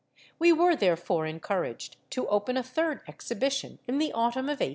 We were therefore encouraged to open a third Exhibition in the autumn of 1890.